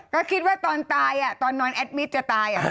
ก็คิดตอนที่นอนอดทฤษฐจะตายเลย